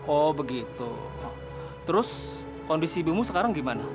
oh begitu terus kondisi bimu sekarang gimana